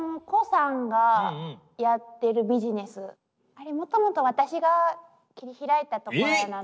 あれもともと私が切り開いたところやなって。